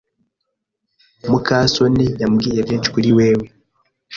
muka soni yambwiye byinshi kuri wewe.